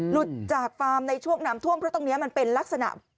หลุดจากฟาร์มในช่วงน้ำท่วมเพราะตรงนี้มันเป็นลักษณะ